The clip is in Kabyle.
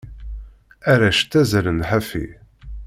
Arrac ttazallen ḥafi.